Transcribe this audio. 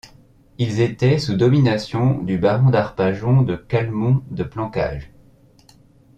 Ils étaient sous domination du Baron d'Arpajon de Calmont de Plantcage.